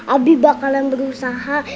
abi bakalan berusaha